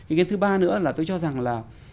ý kiến thứ ba nữa là tôi cho rằng là